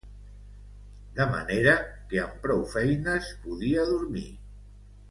De manera que amb prou feines podia dormir